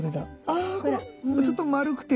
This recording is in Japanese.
あこのちょっと丸くて。